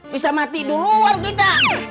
bisa mati di luar kita